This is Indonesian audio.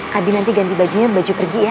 tadi nanti ganti bajunya baju pergi ya